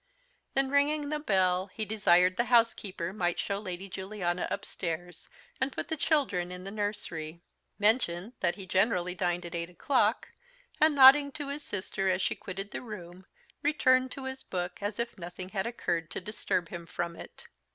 Then ringing the bell, he desired the housekeeper might show Lady Juliana upstairs, and put the children in the nursery; mentioned that he generally dined at eight o'clock; and, nodding to his sister as she quitted the room, returned to his book, as if nothing had occurred to disturb him from it.